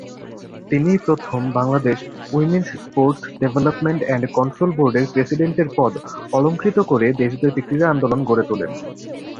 তিনিই প্রথম Bangladesh women's sports development and control বোর্ডের প্রেসিডেন্টের পদ অলংকৃত করে দেশব্যাপী ক্রীড়া আন্দোলন গড়ে তোলেন।